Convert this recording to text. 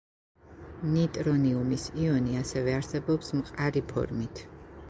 ნიტრონიუმის იონი ასევე არსებობს მყარი ფორმით.